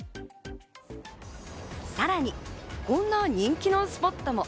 さらに、こんな人気のスポットも。